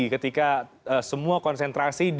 ketika semua konsentrasi